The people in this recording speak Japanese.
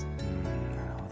なるほど。